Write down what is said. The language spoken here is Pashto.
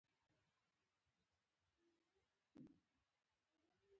په پایله کې د سیاسي او اقتصادي بدلونونو نوی مسیر را وټوکېد.